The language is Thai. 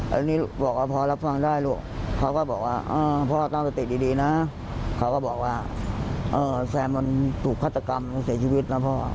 แล้วนี่บอกว่าพอรับฟังได้ลูกเขาก็บอกว่าพ่อตั้งสติดีนะเขาก็บอกว่าแซมมันถูกฆาตกรรมมันเสียชีวิตนะพ่อ